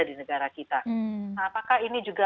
di negara kita apakah ini juga